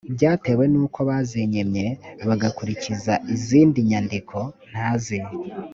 byatewe n’uko bazinyimye bagakurikiza izindi nyandiko ntazi